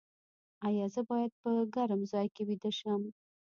ایا زه باید په ګرم ځای کې ویده شم؟